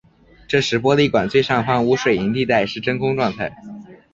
这时玻璃管最上方无水银地带是真空状态。